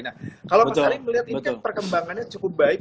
nah kalau mas ari melihat ini kan perkembangannya cukup baik